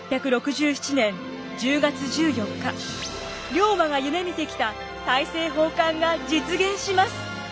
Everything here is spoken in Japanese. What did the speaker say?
龍馬が夢みてきた大政奉還が実現します！